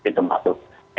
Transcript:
itu instrumen aset deklarasi